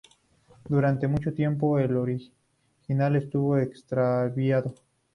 Durante mucho tiempo el original estuvo extraviado.